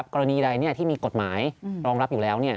กรณีใดที่มีกฎหมายรองรับอยู่แล้ว